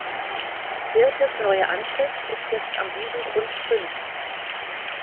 Birtes neue Anschrift ist jetzt Am Wiesengrund fünf.